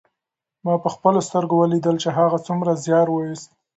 ما په خپلو سترګو ولیدل چې هغه څومره زیار ویوست.